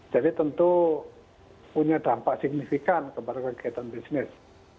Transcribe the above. jadi tentu punya dampak signifikan kepada kegiatan bisnis